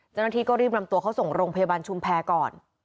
จนทีก็รีบลำตัวเขาส่งโรงพยาบาลชุมแพ้ก่อน